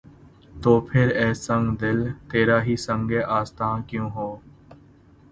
تو پھر‘ اے سنگ دل! تیرا ہی سنگِ آستاں کیوں ہو؟